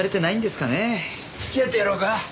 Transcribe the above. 付き合ってやろうか？